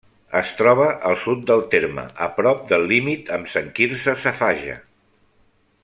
Es troba al sud del terme, a prop del límit amb Sant Quirze Safaja.